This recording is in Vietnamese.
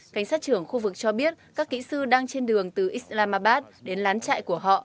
cảnh sát trưởng khu vực cho biết các kỹ sư đang trên đường từ islamabad đến lán chạy của họ